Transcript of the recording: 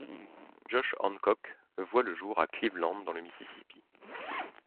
Josh Hancock voit le jour à Cleveland dans le Mississippi.